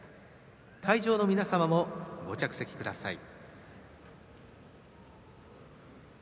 会場の皆様もご着席ください。